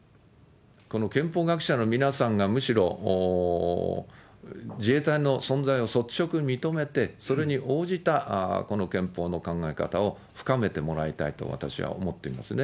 この憲法学者の皆さんがむしろ自衛隊の存在を率直に認めて、それに応じた憲法の考え方を深めてもらいたいと、私は思っていますね。